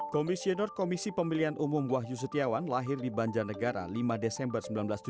komisioner komisi pemilihan umum wahyu setiawan lahir di banjarnegara lima desember dua ribu sembilan belas